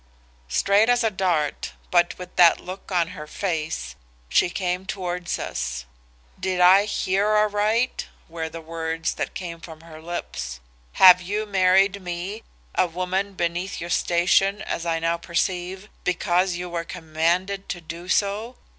"Straight as a dart, but with that look on her face, she came towards us. 'Did I hear aright?' were the words that came from her lips. 'Have you married me, a woman beneath your station as I now perceive, because you were commanded to do so?